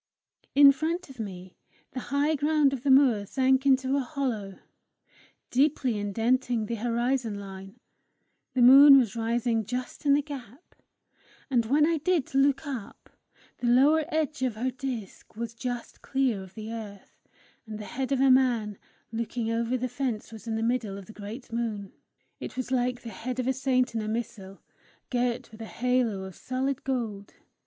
In front of me, the high ground of the moor sank into a hollow, deeply indenting the horizon line: the moon was rising just in the gap, and when I did look up, the lower edge of her disc was just clear of the earth, and the head of a man looking over the fence was in the middle of the great moon. It was like the head of a saint in a missal, girt with a halo of solid gold.